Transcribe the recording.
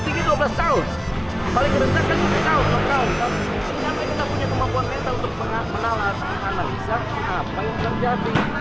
kenapa kita punya kemampuan mental untuk menalas analisa apa yang terjadi